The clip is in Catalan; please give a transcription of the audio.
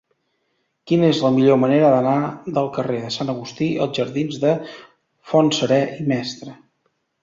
Quina és la millor manera d'anar del carrer de Sant Agustí als jardins de Fontserè i Mestre?